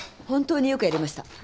本当によくやりました。